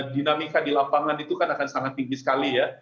dinamika di lapangan itu kan akan sangat tinggi sekali ya